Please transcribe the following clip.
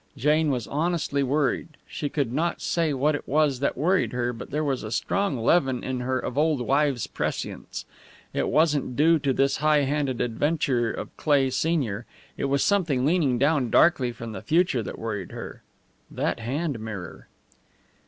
Jane was honestly worried. She could not say what it was that worried her, but there was a strong leaven in her of old wives' prescience. It wasn't due to this high handed adventure of Cleigh, senior; it was something leaning down darkly from the future that worried her. That hand mirror!